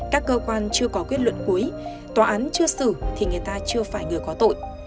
các cơ quan chưa có kết luận cuối tòa án chưa xử thì người ta chưa phải người có tội